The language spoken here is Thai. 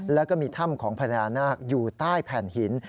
แล้วก็มีถ้ำของพญานาคอยู่ใต้แผ่นหิน